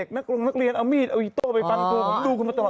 เอาหิตโตไปปัญกู